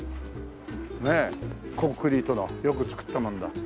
ねえコンクリートのよく造ったもんだ。